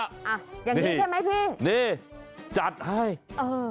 อ่ะอย่างงี้ใช่ไหมพี่นี่จัดให้เออ